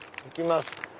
行きます！